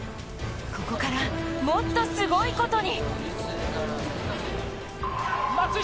ここからもっとすごいことに！